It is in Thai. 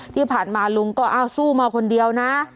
ที่ผ่านมาลุงก็อ้าวสู้มาคนเดียวนะ